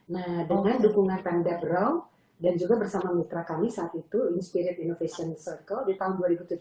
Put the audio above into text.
nah dengan dukungan pemda braw dan juga bersama mitra kami saat itu inspirate innovation circle di tahun dua ribu tujuh belas